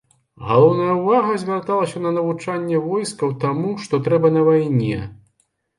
Галоўная ўвага звярталася на навучанне войскаў таму, што трэба на вайне.